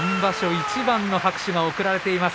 いちばんの拍手が送られています。